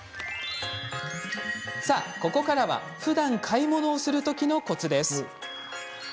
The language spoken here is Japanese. さあ、ここからはふだん買い物をする時のコツです。